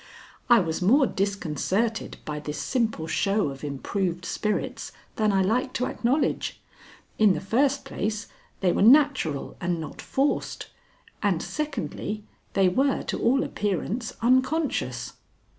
I was more disconcerted by this simple show of improved spirits than I like to acknowledge. In the first place, they were natural and not forced; and, secondly, they were to all appearance unconscious.